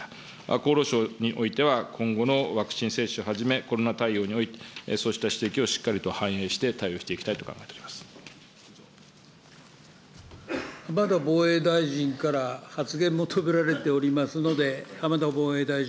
厚労省においては、今後のワクチン接種はじめ、コロナ対応において、そうした指摘をしっかりと反映して対応していきたいと考えており浜田防衛大臣から発言求められておりますので、浜田防衛大臣。